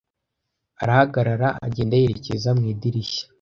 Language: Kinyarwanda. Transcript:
Arahagarara, agenda yerekeza mu idirishya.